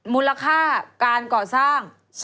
มูลค่าการก่อสร้าง